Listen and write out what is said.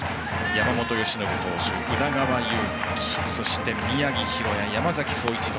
山本由伸投手、宇田川優希そして宮城大弥、山崎颯一郎。